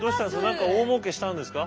何か大もうけしたんですか？